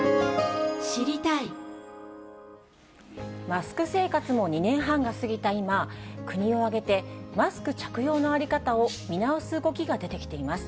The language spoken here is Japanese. マスク生活も２年半が過ぎた今、国を挙げて、マスク着用の在り方を見直す動きが出てきています。